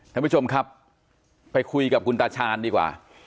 ท่านผู้ชมครับไปคุยกับคุณตาชาญดีกว่า